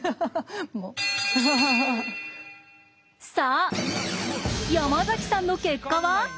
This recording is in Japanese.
さあ山崎さんの結果は？